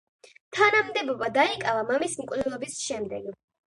თანამდებობა დაიკავა მამის მკვლელობის შემდეგ.